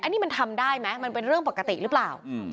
อันนี้มันทำได้ไหมมันเป็นเรื่องปกติหรือเปล่า